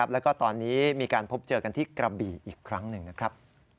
แล้วก็ตอนนี้มีการพบเจอกันที่กระบี่อีกครั้งหนึ่งนะครับ